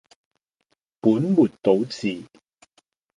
本末倒置